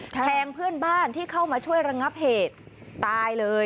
แทงเพื่อนบ้านที่เข้ามาช่วยระงับเหตุตายเลย